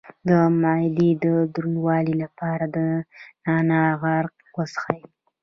د معدې د دروندوالي لپاره د نعناع عرق وڅښئ